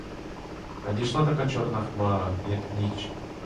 Надійшла така чорна хмара, як ніч.